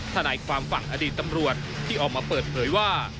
ทนายความฝั่งอดีตตำรวจที่ออกมาเปิดเผยว่า